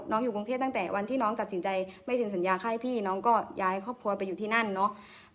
อยู่กรุงเทพตั้งแต่วันที่น้องตัดสินใจไม่เซ็นสัญญาค่ายพี่น้องก็ย้ายครอบครัวไปอยู่ที่นั่นเนาะ